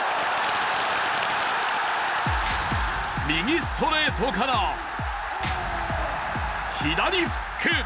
右ストレートから左フック。